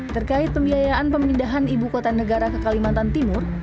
terkait pembiayaan pemindahan ibu kota negara ke kalimantan timur